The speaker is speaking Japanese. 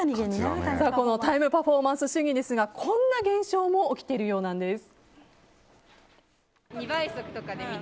タイムパフォーマンス主義ですがこんな現象も起きているようなんです。